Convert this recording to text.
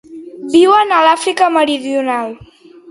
Viuen a l'Àfrica Meridional.